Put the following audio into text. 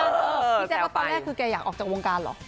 พี่แจ๊คว่าตอนแรกคือแกอยากออกจากวงการเหรอ